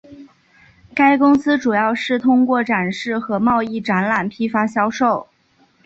该公司主要是通过展示和贸易展览批发销售。